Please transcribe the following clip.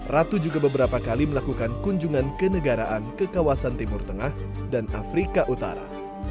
ratu juga beberapa kali melakukan kunjungan ke negaraan ke kawasan timur tengah dan afrika utara